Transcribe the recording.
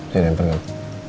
sini emper gak